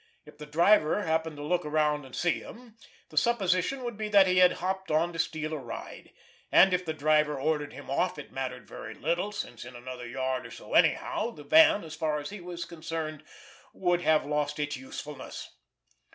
If the driver happened to look around and see him, the supposition would be that he had hopped on to steal a ride; and if the driver ordered him off it mattered very little, since, in another yard or so anyhow, the van, as far as he was concerned, would have lost its usefulness.